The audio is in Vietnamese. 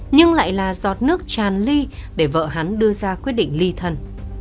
nhưng lại là giọt nước tràn ly để vợ hắn đưa ra quyết định ly thân